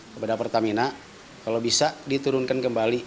kepada pertamina kalau bisa diturunkan kembali